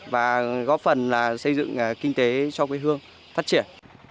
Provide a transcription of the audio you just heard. và góp phần xây dựng kinh tế cho quê hương phát triển